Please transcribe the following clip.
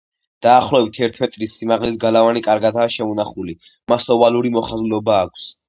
დაახლოებით ერთ მეტრის სიმაღლის გალავანი კარგადაა შემონახული; მას ოვალური მოხაზულობა აქვს.